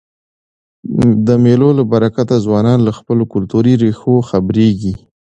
د مېلو له برکته ځوانان له خپلو کلتوري ریښو خبريږي.